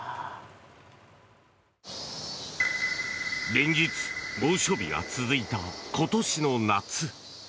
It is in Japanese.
連日猛暑日が続いた今年の夏。